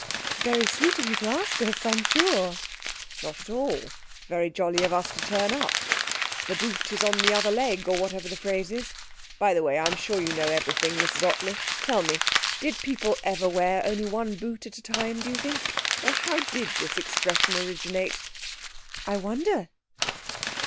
'Very sweet of you to ask us, I'm sure.' 'Not at all; very jolly of us to turn up. The boot is on the other leg, or whatever the phrase is. By the way, I'm sure you know everything, Mrs Ottley, tell me, did people ever wear only one boot at a time, do you think, or how did this expression originate?' 'I wonder.'